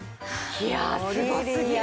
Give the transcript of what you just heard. いやすごすぎる。